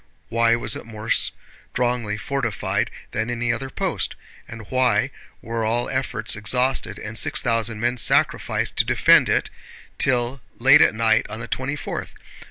Why was it more strongly fortified than any other post? And why were all efforts exhausted and six thousand men sacrificed to defend it till late at night on the twenty fourth?